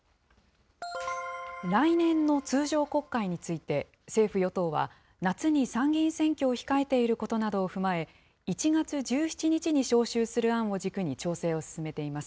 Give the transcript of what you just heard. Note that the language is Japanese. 来年の通常国会について、政府・与党は、夏に参議院選挙を控えていることなどを踏まえ、１月１７日に召集する案を軸に調整を進めています。